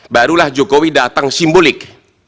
barulah jokowi datang simbolik